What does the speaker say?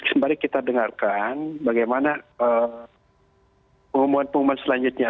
sembari kita dengarkan bagaimana pengumuman pengumuman selanjutnya